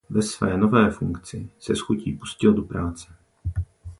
Ve své nové funkci se s chutí pustil do práce.